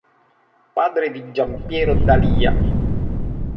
Padre di Giampiero D'Alia.